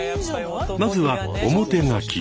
まずは表書き。